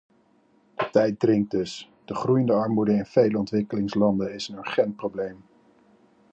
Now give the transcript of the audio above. De tijd dringt dus; de groeiende armoede in vele ontwikkelingslanden is een urgent probleem.